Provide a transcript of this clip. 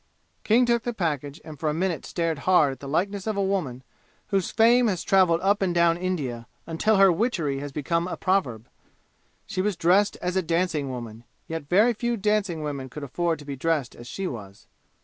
King took the package and for a minute stared hard at the likeness of a woman whose fame has traveled up and down India, until her witchery has become a proverb. She was dressed as a dancing woman, yet very few dancing women could afford to be dressed as she was.